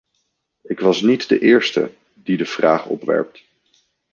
Ik was niet de eerste die de vraag opwerpt.